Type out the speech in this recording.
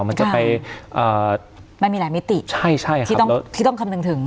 มันจะไปเอ่อมันมีหลายมิติที่ต้องคำนึงถึง